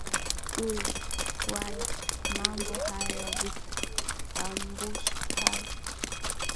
ulewala mambo haya ya victor ambusu hayo